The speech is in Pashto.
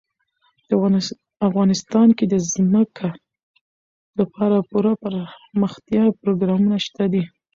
افغانستان کې د ځمکه لپاره پوره دپرمختیا پروګرامونه شته دي.